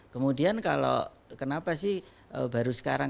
kemudian kalau kenapa sih baru sekarang